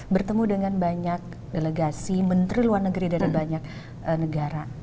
bertemu dengan banyak delegasi menteri luar negeri dari banyak negara